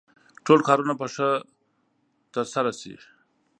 ټول کارونه به ښه ترسره شي.